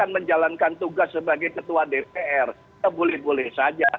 menjalankan tugas sebagai ketua dpr ya boleh boleh saja